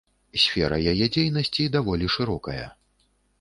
Сфера яе дзейнасці даволі шырокая.